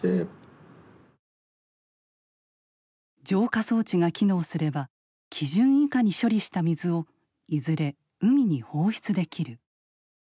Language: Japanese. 浄化装置が機能すれば基準以下に処理した水をいずれ海に放出できる。